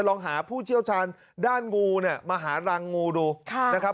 ลองหาผู้เชี่ยวชาญด้านงูเนี่ยมาหารังงูดูนะครับ